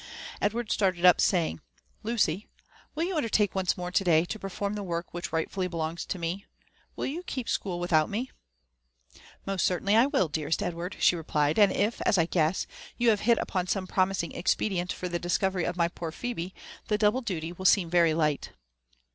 Edward started up, saying, Lucyl will you undertake once more to day to perform the work which rightfully belongs to me*? — ^Will you keep school without mer *'* Most certainly I will, dearest Edward," she replied; '* and if, as I guess, you have hit upon some promising expedient for the discovery of my poor Phebe, the double duty will seem very light."